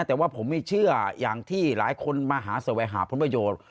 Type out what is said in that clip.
แต่ว่าผมไม่เชื่ออย่างที่หลายคนมาหาแสวงหาผลประโยชน์